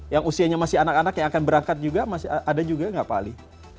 yang usianya masih anak anak yang akan berangkat juga masih ada juga nggak pak ali